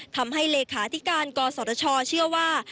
ทำให้เลขาธิการกศชเชื่อว่า